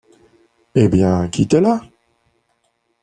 Eh ! bien, quittez-la. ..